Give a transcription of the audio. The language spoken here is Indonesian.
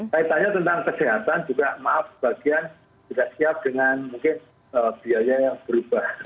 saya tanya tentang kesehatan juga maaf sebagian tidak siap dengan mungkin biaya yang berubah